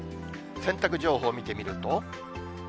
洗濯情報見てみると。